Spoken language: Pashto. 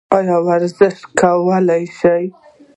ایا زه ورزش کولی شم؟